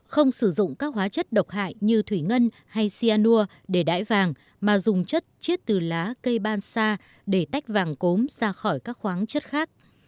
không sử dụng các hóa chất độc hại như thủy ngân hay cyanur để đải vàng mà dùng chất chiết từ lá cây bansa để tách vàng cốm ra khỏi các khoáng chất khác